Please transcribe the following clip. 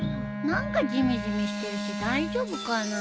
何かじめじめしてるし大丈夫かな。